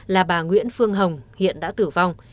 là bà nguyễn phương hồng hiện đã tử vong